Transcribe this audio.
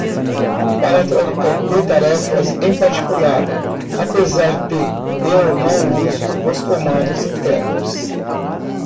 Para troca de tarefas em particular? apesar de? eu não uso os comandos internos.